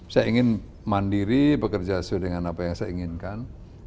saya ingin mandiri bekerja sesuai dengan apa yang saya inginkan